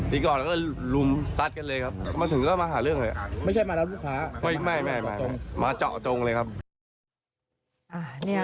ตีก่อนแล้วก็ลุมซัดกันเลยครับมันถึงก็มาหาเรื่องเลย